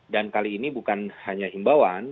dan kali ini bukan hanya himbauan